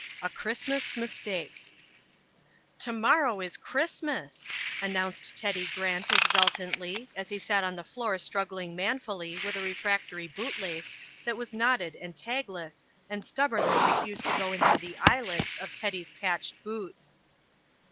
A Christmas Mistake "Tomorrow is Christmas," announced Teddy Grant exultantly, as he sat on the floor struggling manfully with a refractory bootlace that was knotted and tagless and stubbornly refused to go into the eyelets of Teddy's patched boots.